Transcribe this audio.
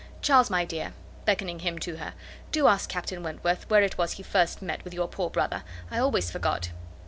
Charles, my dear," (beckoning him to her), "do ask Captain Wentworth where it was he first met with your poor brother. I always forgot."